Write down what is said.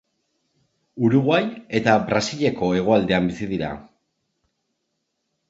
Uruguai eta Brasileko hegoaldean bizi dira.